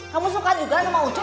kamu suka juga sama ucu